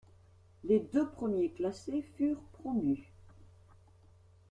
Les deux premiers classés furent promus.